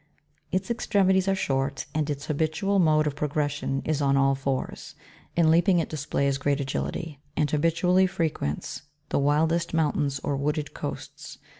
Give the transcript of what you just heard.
Its extremi ties are short, and its habitual mode of progression is on all fours. In leaping, it displays great agility, and habitually frequents the wildest mountains or wooded coasts.